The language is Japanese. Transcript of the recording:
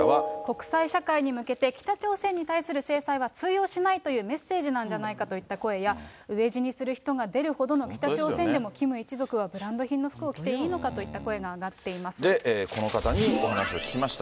国際社会に向けて北朝鮮に対する制裁は通用しないというメッセージなんじゃないかといった声や、飢え死にする人が出るほどの北朝鮮でも、キム一族はブランド品の服を着ていいのかという声が上がっていまこの方にお話を聞きました。